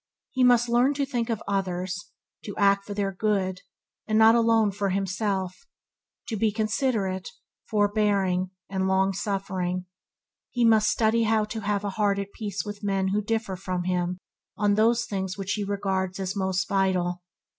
He must learn to think of others, to act for their good, and not alone for himself; to be considerate, for bearing, and long suffering. He must study how to have a heart at peace with men who differ from him on those things which he regards as most vital.